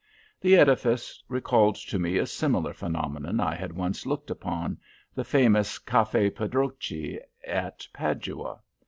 The edifice recalled to me a similar phenomenon I had once looked upon, the famous Caffe Pedrocchi at Padua.